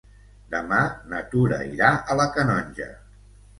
Demà na Tura irà a la Canonja.